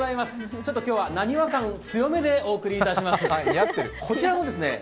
ちょっと今日は、なにわ感強めでお送りしております。